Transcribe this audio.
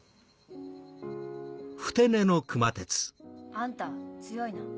あんた強いな。